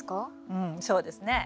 うんそうですね。